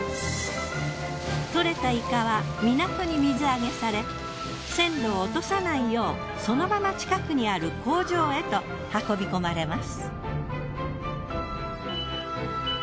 獲れたイカは港に水揚げされ鮮度を落とさないようそのまま近くにある工場へと運び込まれます。